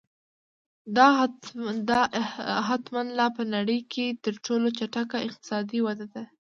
دا احتما لا په نړۍ کې تر ټولو چټکه اقتصادي وده وه